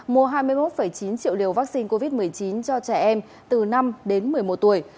mua hai mươi một chín triệu liều vaccine covid một mươi chín cho trẻ em từ năm đến một mươi một tuổi